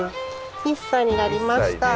１歳になりました。